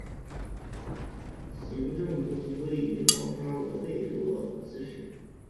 行政中心位于瑙沙罗费洛兹市。